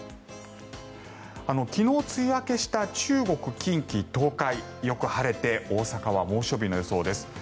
昨日、梅雨明けした中国、近畿、東海よく晴れて大阪は猛暑日の予想です。